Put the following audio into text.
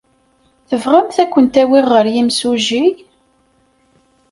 Tebɣamt ad kent-awiɣ ɣer yimsujji?